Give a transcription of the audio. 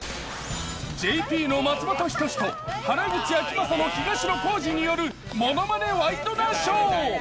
ＪＰの松本人志と原口あきまさの東野幸治によるものまねワイドナショー。